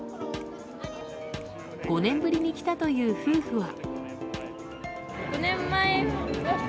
５年ぶりに来たという夫婦は。